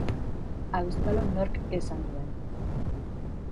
Auskalo nork esan duen!